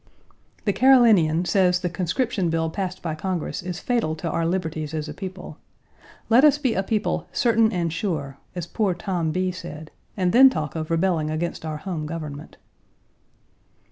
The Carolinian says the conscription bill passed by Congress is fatal to our liberties as a people. Let us be a people "certain and sure," as poor Tom B. said, and then talk of rebelling against our home government.